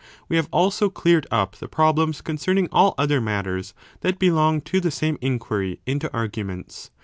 We have also cleared up the problems concerning all other matters that belong to the same inquiry into arguments.